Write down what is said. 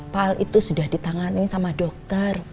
paal itu sudah ditangani sama dokter